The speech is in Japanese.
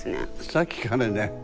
さっきからね